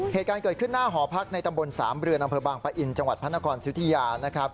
เหตุการณ์เกิดขึ้นหน้าหอพักในตำบลสามเรือนอำเภอบางปะอินจังหวัดพระนครสุธิยานะครับ